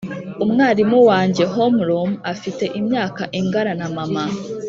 umwarimu wanjye homeroom afite imyaka ingana na mama.